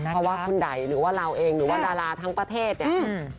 เพราะว่าคุณไดหรือว่าเราเองหรือว่าดาราทั้งประเทศเนี่ย